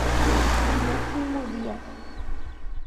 Máximo Dias.